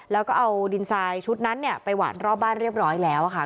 แล้วก็เอาดินทรายชุดนั้นเนี่ยไปหวานรอบบ้านเรียบร้อยแล้วค่ะ